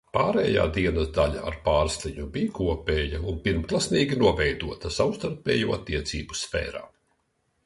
Pārējā dienas daļa ar Pārsliņu bija kopēja un pirmklasīgi noveidota savstarpējo attiecību sfērā.